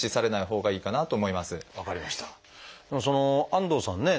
安藤さんね